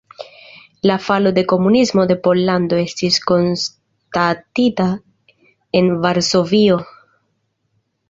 La falo de komunismo en Pollando estis konstatita en Varsovio.